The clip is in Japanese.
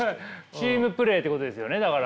チームプレーということですよねだから。